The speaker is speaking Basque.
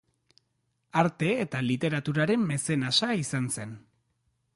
Arte eta literaturaren mezenasa izan zen.